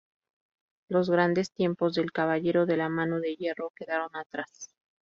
Los grandes tiempos del ""caballero de la mano de hierro"" quedaron atrás.